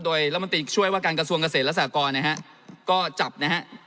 โดยรัฐมนตรีช่วยว่าการกระทรวงเกษตรและสากรนะฮะก็จับนะฮะ